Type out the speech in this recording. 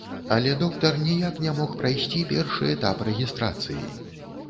Але доктар ніяк не мог прайсці першы этап рэгістрацыі.